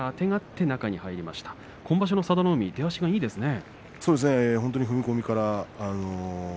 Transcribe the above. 今場所の佐田の海出足がいいですね。